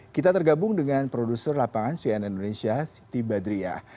kita tergabung dengan produser lapangan cnn indonesia siti badriah